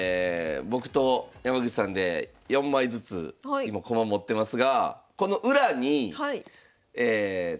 僕と山口さんで４枚ずつ今駒持ってますがあっ確かに。